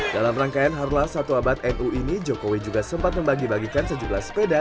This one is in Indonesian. dalam rangkaian harulah satu abad nu ini jokowi juga sempat membagi bagikan sejumlah sepeda